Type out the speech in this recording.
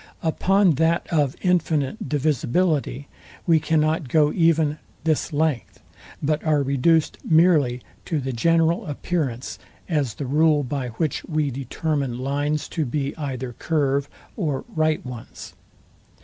Upon that of infinite divisibility we cannot go even this length; but are reduced meerly to the general appearance, as the rule by which we determine lines to be either curve or right ones.